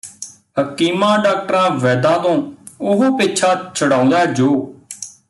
ਹਕੀਮਾਂ ਡਾਕਟਰਾਂ ਵੈਦਾਂ ਤੋਂ ਉਹ ਪਿੱਛਾ ਛੁਡਾਉਂਦੈ ਜੋ